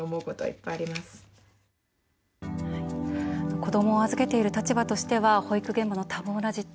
子どもを預けている立場としては保育現場の多忙な実態